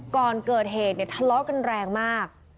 ก่อนเกิดเหตุเนี่ยทะเลาะกันแรงมาก